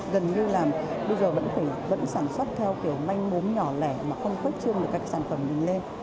gần như là bây giờ vẫn sản xuất theo kiểu manh múng nhỏ lẻ mà không khuếch chương được các sản phẩm mình lên